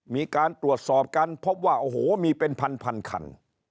มีการตรวจสอบกันพบว่าโอ้โหมีเป็นพันคัน